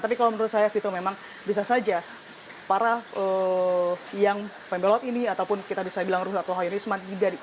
tapi kalau menurut saya fito memang bisa saja para yang pembelot ini ataupun kita bisa bilang ruhut atau hayonolu isma